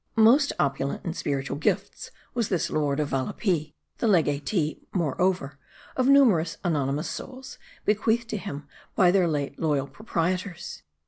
Most opulent in spiritual gifts was this lord of Valapee ; the legatee, moreover, of numerous anonymous souls, be queathed to him by their late loyal proprietors.